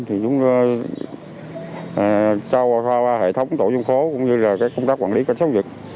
thì chúng ta qua hệ thống tổ dân phố cũng như là các công tác quản lý cạnh chống dịch